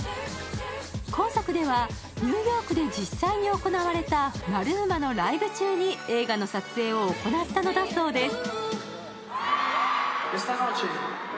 今作では、ニューヨークで実際に行われたマルーマのライブ中に映画の撮影を行ったのだそうです。